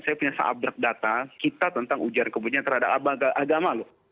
saya punya seabrak data kita tentang ujaran kebencian terhadap agama